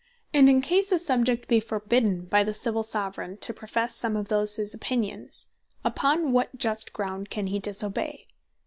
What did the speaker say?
And in case a Subject be forbidden by the Civill Soveraign to professe some of those his opinions, upon what grounds can he disobey?